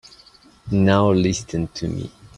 Now listen to me.